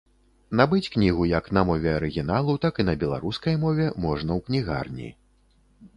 Набыць кнігу як на мове арыгіналу, так і на беларускай мове можна ў кнігарні.